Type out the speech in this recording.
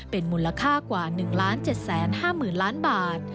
เป็นมูลค่ากว่า๑๗๕๐๐๐ล้านบาท